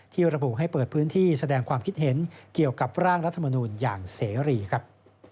ระบุให้เปิดพื้นที่แสดงความคิดเห็นเกี่ยวกับร่างรัฐมนูลอย่างเสรีครับ